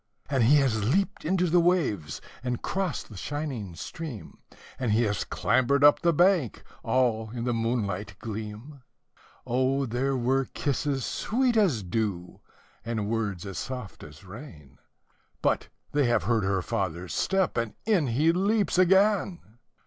And he has leaped into the waves, and crossed the shining stream, And he has clambered up the bank, all in the moonlight gleam; Oh there were kisses sweet as dew, and words as soft as rain, But they have heard her father's step, and in he leaps again!